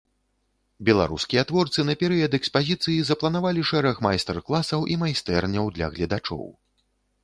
Беларускія творцы на перыяд экспазіцыі запланавалі шэраг майстар-класаў і майстэрняў для гледачоў.